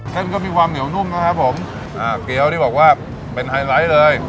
เส้นก็มีความเหนียวนุ่มนะครับผมอ่าเกี้ยวนี่บอกว่าเป็นไฮไลท์เลย